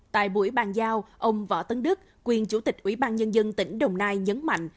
tại buổi bàn giao ông võ tấn đức quyền chủ tịch ủy ban nhân dân tỉnh đồng nai nhấn mạnh